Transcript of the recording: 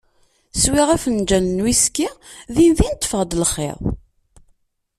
Swiɣ afenǧal n wiski, din din ṭfeɣ-d lxiḍ.